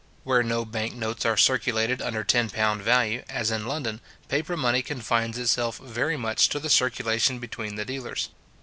Where no bank notes are circulated under £10 value, as in London, paper money confines itself very much to the circulation between the dealers.